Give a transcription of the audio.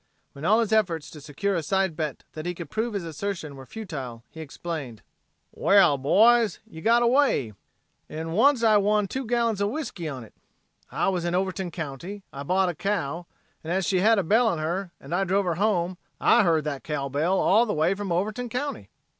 When all his efforts to secure a side bet that he could prove his assertion were futile, he explained: "Wall, boys, ye got away. En once I won two gallons o' whisky on hit. I was in Overton county. I bought a cow. As she had a bell on her, and I drove her home, I heard that cow bell all the way from Overton county."